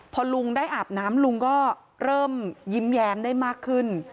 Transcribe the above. พอลุงได้อาบน้ำลุงก็เริ่มยิ้มแย้มได้มากขึ้น